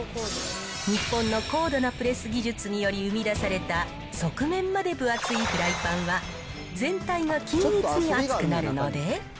日本の高度なプレス技術により生み出された、側面まで分厚いフライパンは、全体が均一に熱くなるので。